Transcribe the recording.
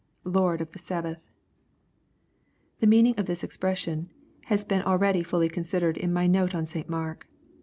„Lord of the Sdbhath,] The meaning of this expression has been already fully considered in my note on St Mark.